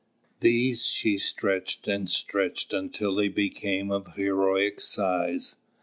These she stretched and stretched until they became of heroic size.